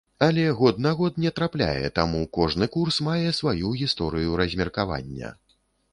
Але год на год не трапляе, таму кожны курс мае сваю гісторыю размеркавання.